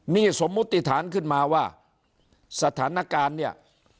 นี่สมมุติฐานขึ้นมาว่าสถานการณ์เนี่ย